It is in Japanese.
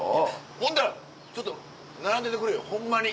ほんだらちょっと並んでてくれよホンマに。